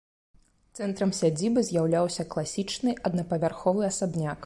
Цэнтрам сядзібы з'яўляўся класічны аднапавярховы асабняк.